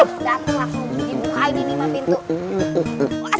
dapet langsung dibukain ini mah pintu